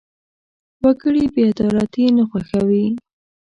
وګړي بېعدالتي نه خوښوي.